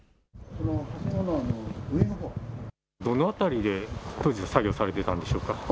どの辺りで当時は作業されてたんでしょうか。